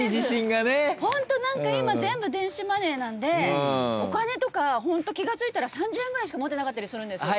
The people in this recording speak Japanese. ホント何か今全部電子マネーなんでお金とか気が付いたら３０円ぐらいしか持ってなかったりするんですよ。